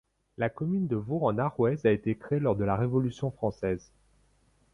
La commune de Vaux-en-Arrouaise a été créée lors de la Révolution française.